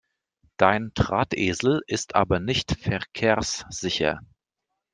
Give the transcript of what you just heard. Dein Drahtesel ist aber nicht verkehrssicher!